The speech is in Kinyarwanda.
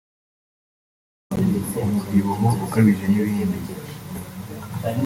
umubyibuho ukabije n’ibindi